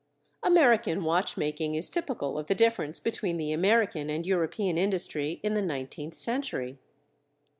American watch making is typical of the difference between the American and European industry in the nineteenth century.